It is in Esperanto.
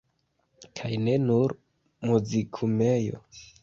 Kaj ne nur Muzikumejo!